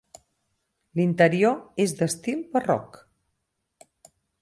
L'interior és d'estil barroc.